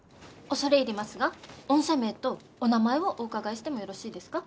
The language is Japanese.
恐れ入りますが御社名とお名前をお伺いしてもよろしいですか？